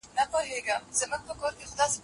پوهانو د طبیعي پېښو په اړه څېړنې ونه کړې.